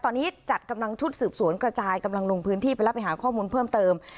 ตอนนี้จัดกำลังชุดสืบสวนกระจายกำลังลงพื้นที่ไปแล้วไปหาข้อมูลเพิ่มเติม